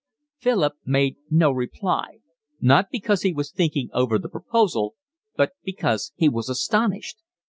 Philip made no reply, not because he was thinking over the proposal, but because he was astonished.